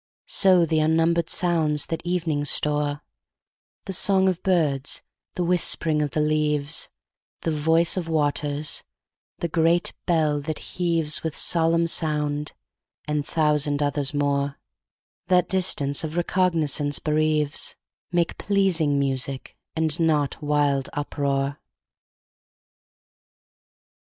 So the unnumber'd sounds that evening store; The songs of birds—the whisp'ring of the leaves—The voice of waters—the great bell that heavesWith solemn sound,—and thousand others more, That distance of recognizance bereaves, Make pleasing music, and not wild uproar.